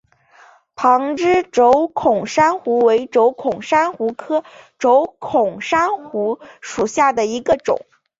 旁枝轴孔珊瑚为轴孔珊瑚科轴孔珊瑚属下的一个种。